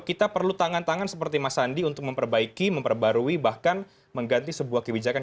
kita perlu tangan tangan seperti mas andi untuk memperbaiki memperbarui bahkan mengganti sebuah kebijakan